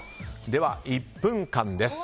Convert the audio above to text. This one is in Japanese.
では、１分間です。